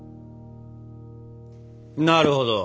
なるほど。